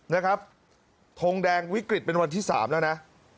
นะครับทงแดงวิกฤตเป็นวันที่๓แล้วนะ